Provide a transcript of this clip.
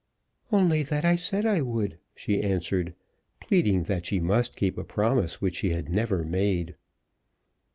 "Only that I said I would," she answered, pleading that she must keep a promise which she had never made.